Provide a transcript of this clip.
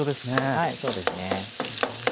はいそうですね。